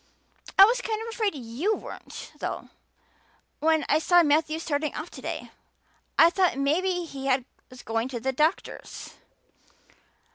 "I was kind of afraid you weren't, though, when I saw Matthew starting off today. I thought maybe he was going to the doctor's."